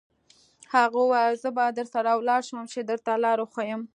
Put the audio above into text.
هغه وویل: زه به درسره ولاړ شم، چې درته لار وښیم.